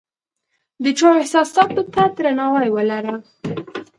د چا و احساساتو ته درناوی ولره !